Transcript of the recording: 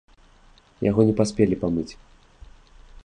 Яго не паспелі памыць.